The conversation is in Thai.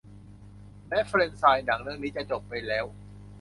แม้แฟรนไชส์หนังเรื่องนี้จะจบไปแล้ว